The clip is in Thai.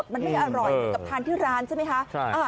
มันไม่อร่อยเหมือนกับทานที่ร้านใช่ไหมคะ